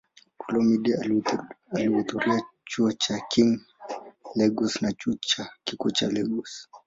Olumide alihudhuria Chuo cha King, Lagos na Chuo Kikuu cha Lagos.